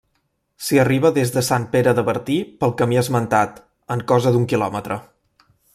S'hi arriba des de Sant Pere de Bertí pel camí esmentat, en cosa d'un quilòmetre.